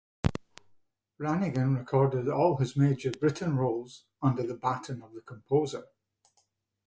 Brannigan recorded all his major Britten roles under the baton of the composer.